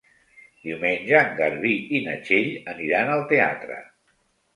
Diumenge en Garbí i na Txell aniran al teatre.